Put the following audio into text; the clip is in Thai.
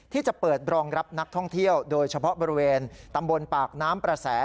ที่จะเปิดรองรับนักท่องเที่ยวโดยเฉพาะบริเวณตำบลปากน้ำประแส